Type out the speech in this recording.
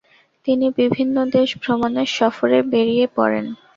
তিনি বিভিন্ন দেশ ভ্রমণের সফরে বেরিয়ে পড়েন।